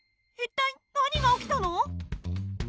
一体何が起きたの？